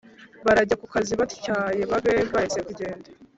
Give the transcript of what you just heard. barajya kukazi abatwaye babe baretse kugenda